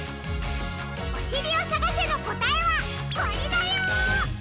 「おしりをさがせ！！」のこたえはこれだよ。